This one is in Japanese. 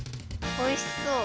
おいしそう。